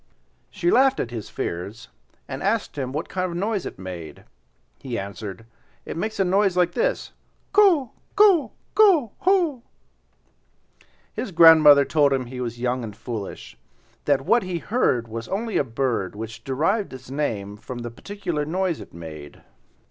She laughed at his fears, and asked him what kind of a noise it made. He answered. "It makes a noise like this: ko ko ko ho!" His grandmother told him he was young and foolish; that what he heard was only a bird which derived its name from the peculiar noise it made.